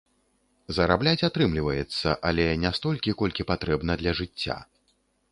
Зарабляць атрымліваецца, але не столькі, колькі патрэбна для жыцця.